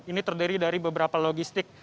ini terdiri dari beberapa logistik